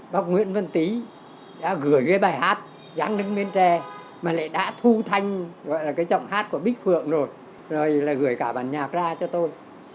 bác nguyễn văn tý đã gửi cái bài hát giáng đứng miên tre mà lại đã thu thanh gọi là cái giọng hát của bích phượng rồi là gửi cả bản nhạc ra cho tôi